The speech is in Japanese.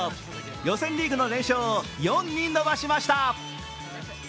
予選リーグの連勝を４に伸ばしました。